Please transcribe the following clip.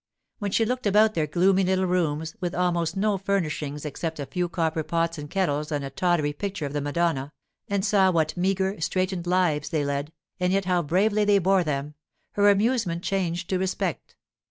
When she looked about their gloomy little rooms, with almost no furnishing except a few copper pots and kettles and a tawdry picture of the Madonna, and saw what meagre, straitened lives they led, and yet how bravely they bore them, her amusement changed to respect.